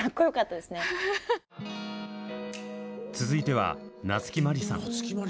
続いては夏木マリさん。